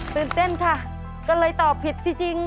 ตื่นเต้นค่ะก็เลยตอบผิดจริง